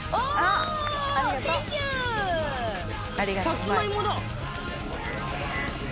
さつまいもだ。